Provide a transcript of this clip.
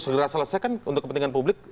segera selesaikan untuk kepentingan publik